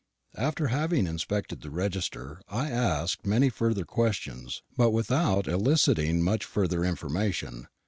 After having inspected the register, I asked many further questions, but without eliciting much further information.